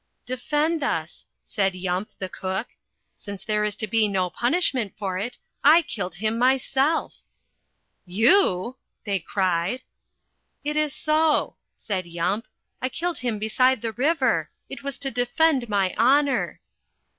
"Defend us," said Yump, the cook. "Since there is to be no punishment for it, I killed him myself." "You!" they cried. "It is so," said Yump. "I killed him beside the river. It was to defend my honour."